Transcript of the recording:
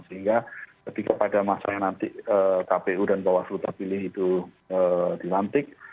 sehingga ketika pada masa yang nanti kpu dan bawaslu terpilih itu dilantik